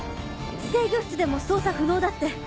制御室でも操作不能だって。